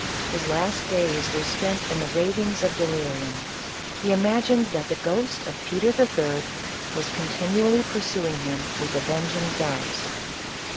His last days were spent in the rav ings of delirium ; he imagined that the ghost of Peter III. was continually pursuing him with avenging darts.